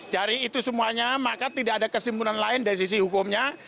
dari itu semuanya maka tidak ada kesimpulan lain dari sisi hukumnya